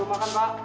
dulu makan pak